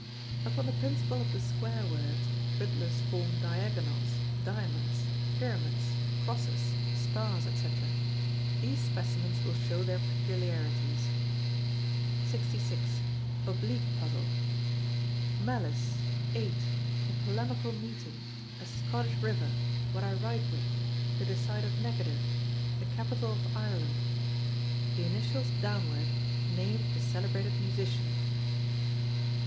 Upon the principle of the square words, riddlers form Diagonals, Diamonds, Pyramids, Crosses, Stars, &c. These specimens will show their peculiarities: 66. Oblique Puzzle. Malice, eight, a polemical meeting, a Scottish river, what I write with, a decided negative, the capital of Ireland. The initials downward name a celebrated musician.